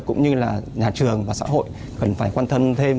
cũng như là nhà trường và xã hội cần phải quan tâm thêm